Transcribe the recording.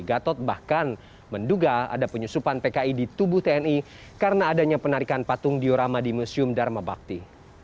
gatot bahkan menduga ada penyusupan pki di tubuh tni karena adanya penarikan patung diorama di museum dharma bakti